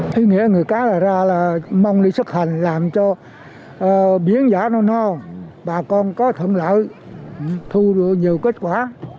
thứ nghĩa người cá là ra là mong lý sức hành làm cho biến giá non non bà con có thuận lợi thu được nhiều kết quả